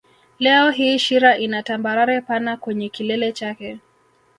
Leo hii Shira ina tambarare pana kwenye kilele chake